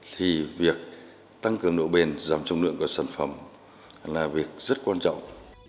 thì việc tăng cường độ bền giảm trung lượng của sản phẩm là việc rất quan trọng